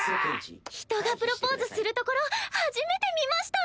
人がプロポーズするところ初めて見ました。